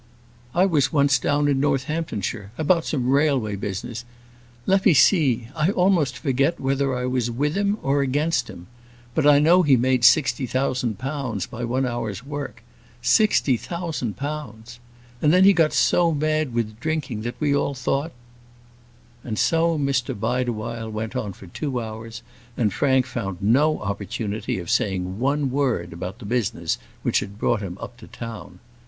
I was once down in Northamptonshire, about some railway business; let me see; I almost forget whether I was with him, or against him. But I know he made sixty thousand pounds by one hour's work; sixty thousand pounds! And then he got so mad with drinking that we all thought " And so Mr Bideawhile went on for two hours, and Frank found no opportunity of saying one word about the business which had brought him up to town.